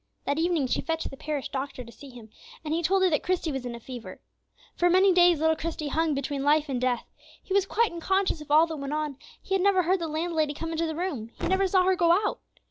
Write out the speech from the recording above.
That evening she fetched the parish doctor to see him, and he told her that Christie was in a fever. For many days little Christie hung between life and death. He was quite unconscious of all that went on; he never heard the landlady come into the room; he never saw her go out.